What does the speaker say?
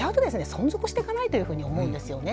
存続していかないというふうに思うんですよね。